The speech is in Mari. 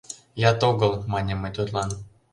— Яд огыл, — маньым мый тудлан.